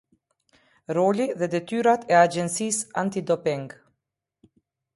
Roli dhe Detyrat e Agjencisë Anti Doping.